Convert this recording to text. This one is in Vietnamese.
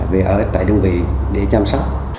về ở tại đơn vị để chăm sóc